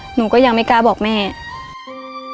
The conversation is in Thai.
หนูก็ยังไม่กล้าบอกแม่